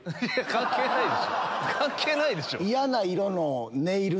関係ないでしょ。